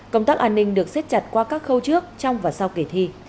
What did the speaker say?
công tác an ninh được xếp chặt qua các khâu trước trong và sau kỳ thi